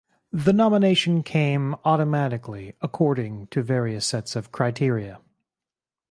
The nomination came automatically according to various sets of criteria.